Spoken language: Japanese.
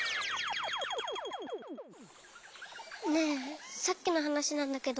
ねえさっきのはなしなんだけど。